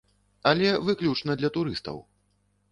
Але выключна для турыстаў.